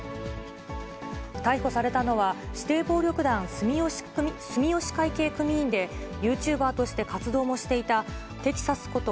逮捕されたのは、指定暴力団住吉会系組員で、ユーチューバーとして活動もしていた、敵刺こと